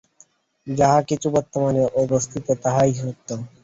যাহা কিছু বর্তমানে অবস্থিত, তাহাই সত্য।